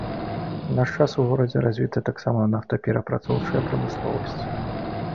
У наш час у горадзе развіта таксама нафтаперапрацоўчая прамысловасць.